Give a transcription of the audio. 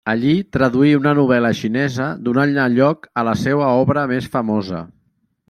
Allí traduí una novel·la xinesa donant a lloc a la seua obra més famosa.